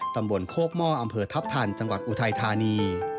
ตำบลโคกหม้ออำเภอทัพทันจังหวัดอุทัยธานี